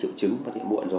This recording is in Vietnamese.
u phổi là bệnh gì ạ